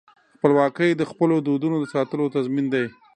خپلواکي د خپلو دودونو د ساتلو تضمین دی.